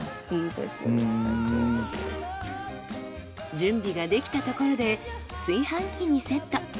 準備ができたところで炊飯器にセット。